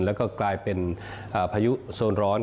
แล้วก็กลายเป็นพายุโซนร้อน